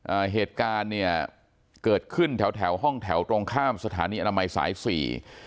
อ่าเหตุการณ์เนี่ยเกิดขึ้นแถวแถวห้องแถวตรงข้ามสถานีอนามัยสายสี่